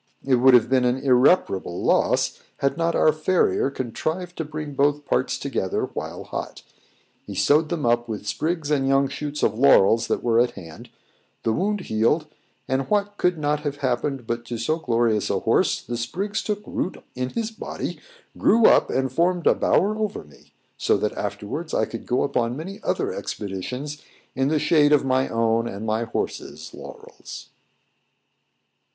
It would have been an irreparable loss, had not our farrier contrived to bring both parts together while hot. He sewed them up with sprigs and young shoots of laurels that were at hand; the wound healed, and, what could not have happened but to so glorious a horse, the sprigs took root in his body, grew up, and formed a bower over me; so that afterwards I could go upon many other expeditions in the shade of my own and my horse's laurels.